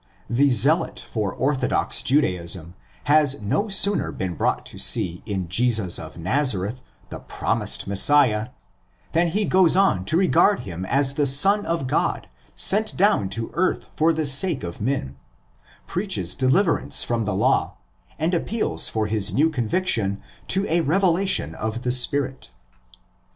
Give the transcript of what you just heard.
The zealot for orthodox Judaism has no sooner been brought to see in Jesus of Nazareth the promised Messiah than he goes on to regard him as the Son of God sent down to earth for the sake of men; preaches deliverance from the Law; and appeals for his new conviction to a revelation of the Spirit.